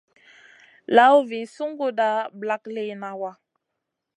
Lawna vi sunguda ɓlak liyna wa.